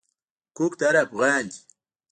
حقوق د هر افغان دی.